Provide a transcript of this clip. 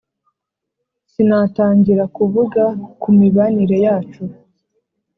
Sinatangira kuvuga ku mibanire yacu